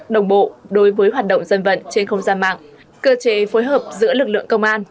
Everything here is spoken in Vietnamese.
đồng bộ đối với hoạt động dân vận trên không gian mạng cơ chế phối hợp giữa lực lượng công an